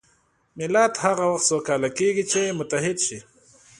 ملت هغه وخت سوکاله کېږي چې متحد وي.